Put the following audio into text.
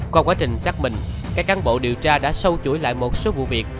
qua quá trình xác minh các cán bộ điều tra đã sâu chuỗi lại một số vụ việc